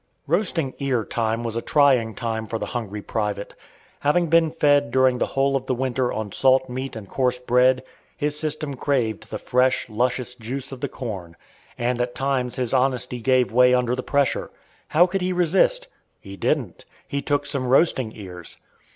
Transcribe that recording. Roasting ear time was a trying time for the hungry private. Having been fed during the whole of the winter on salt meat and coarse bread, his system craved the fresh, luscious juice of the corn, and at times his honesty gave way under the pressure. How could he resist? He didn't, he took some roasting ears!